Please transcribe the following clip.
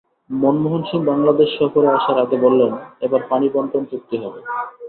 মনমোহন সিং বাংলাদেশে সফরে আসার আগে বললেন, এবার পানিবণ্টন চুক্তি হবে।